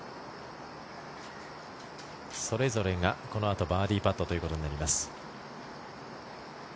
それぞれが、このあとバーディーパットということになります。